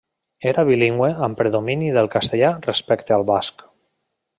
Era bilingüe amb predomini del castellà respecte al basc.